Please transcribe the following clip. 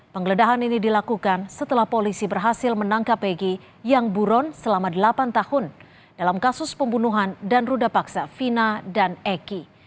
penggeledahan ini dilakukan setelah polisi berhasil menangkap egy yang buron selama delapan tahun dalam kasus pembunuhan dan ruda paksa fina dan eki